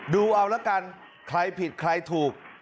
ดูเอาละกันใครผิดใครถูก